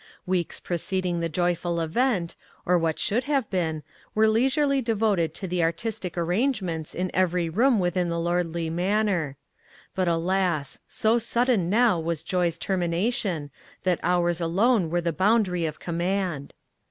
Weeks preceding the joyful event, or what should have been, were leisurely devoted to the artistic arrangements in every room within the lordly manor. But, alas! so sudden now was joy's termination, that hours alone were the boundary of command.